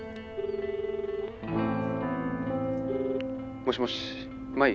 もしもし舞？